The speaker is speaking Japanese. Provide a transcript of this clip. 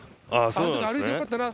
「あん時歩いてよかったな」